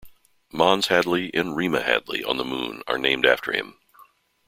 Mons Hadley and Rima Hadley on the Moon are named after him.